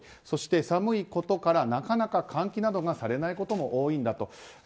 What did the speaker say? そして、寒いことからなかなか換気などがされないことが多いんだと。